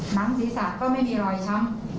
หนังศีรษะก็ไม่มีรอยช้ำ